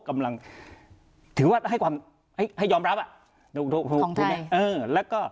กำลังถือว่าให้ความให้ให้ยอมรับอ่ะถูกเนี้ยเออแล้วก็